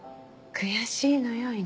悔しいのよ